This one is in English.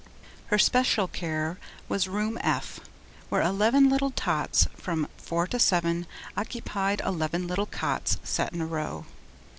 Her special care was room F, where eleven little tots, from four to seven, occupied eleven little cots set in a row.